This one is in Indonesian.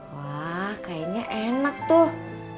wah kayaknya enak tuh